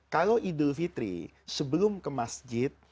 kalau idul fitri sebelum ke masjid